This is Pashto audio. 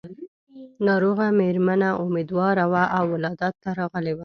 ناروغه مېرمنه اميدواره وه او ولادت ته راغلې وه.